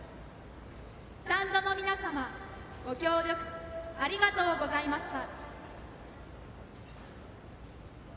スタンドの皆様ご協力ありがとうございました。